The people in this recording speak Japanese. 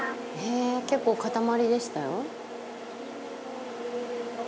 結構塊でしたよ？」